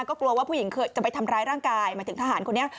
ก็กลัวว่าผู้หญิงจะไปทำร้ายร่างกายหมายถึงทหารคนนี้